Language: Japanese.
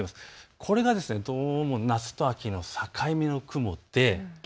これがどうも夏と秋の境目の雲なんです。